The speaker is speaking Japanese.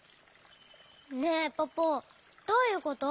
ねえポポどういうこと？